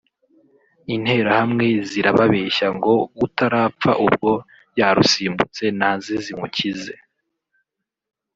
Interahamwe zirababeshya ngo utarapfa ubwo yarusimbutse naze zimukize